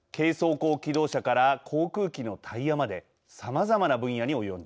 甲機動車から航空機のタイヤまでさまざまな分野に及んでいます。